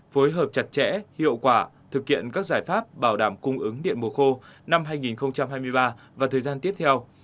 phối hợp chặt chẽ hiệu quả thực hiện các giải pháp bảo đảm cung ứng điện mùa khô năm hai nghìn hai mươi ba và thời gian tiếp theo